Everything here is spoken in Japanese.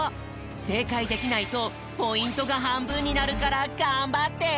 せいかいできないとポイントがはんぶんになるからがんばって！